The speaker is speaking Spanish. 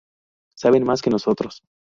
Saben más que nosotros.